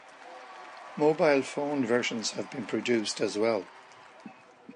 Mobile Phone versions have been produced as well.